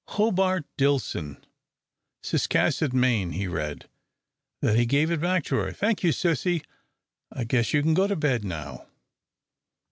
"Hobart Dillson, Ciscasset, Maine," he read, then he gave it back to her. "Thank you, sissy. I guess you can go to bed now."